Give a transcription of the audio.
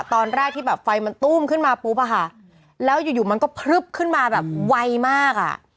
ตอนแรกที่แบบไฟมันตู้มขึ้นมาปุ๊บอะค่ะแล้วอยู่อยู่มันก็พลึบขึ้นมาแบบไวมากอ่ะ